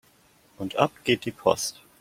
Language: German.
Und ab geht die Post!